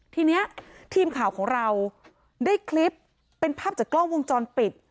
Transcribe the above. ทีนี้ทีมข่าวของเราได้คลิปเป็นภาพจากกล้องวงจรปิด